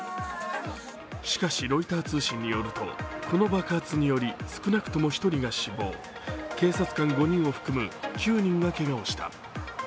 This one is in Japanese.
しかし、ロイター通信によるとこの爆発により少なくとも１人が死亡警察官５人を含む９人がけがをした。